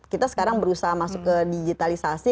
kita sekarang berusaha masuk ke digitalisasi